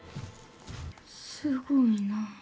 すごいなあ。